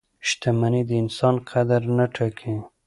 • شتمني د انسان قدر نه ټاکي.